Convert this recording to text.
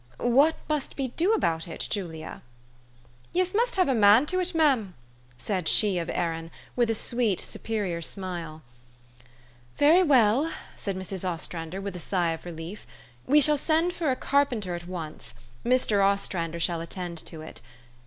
What must we do about it, Julia?" " Yez must have a man to it, mem," said she of Erin, with a sweet superior smile. " Very well," said Mrs. Ostrander with a sigh of 254 THE STORY OF AVIS. relief. "We will send for a carpenter at once. Mr. Ostrander shall attend to it.